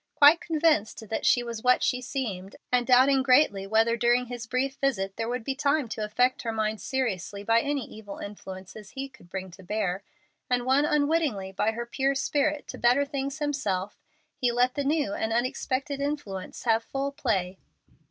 Quite convinced that she was what she seemed, and doubting greatly whether during his brief visit there would be time to affect her mind seriously by any evil influences he could bring to bear, and won unwittingly by her pure spirit to better things himself, he let the new and unexpected influence have full play.